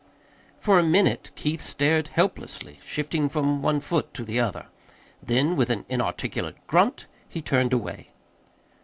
For a minute Keith stared helplessly, shifting from one foot to the other. Then, with an inarticulate grunt, he turned away.